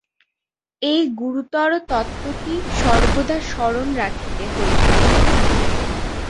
এই গুরুতর তত্ত্বটি সর্বদা স্মরণ রাখিতে হইবে।